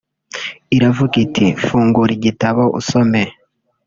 iravuga iti “fungura igitabo usome